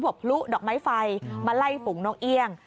พลุดอกไม้ไฟมาไล่ฝูงนกเอี่ยง